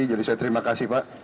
jadi saya terima kasih pak